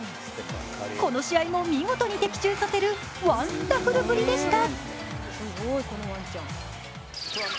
この試合も見事に的中させるワンダフルぶりでした。